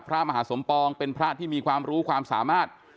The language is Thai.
พระมหาสมปองเป็นพระที่มีความรู้ความสามารถ